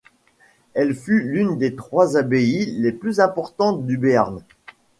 Elle fut l'une des trois abbayes les plus importantes du Béarn.